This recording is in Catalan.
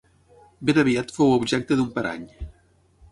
Ben aviat fou objecte d'un parany.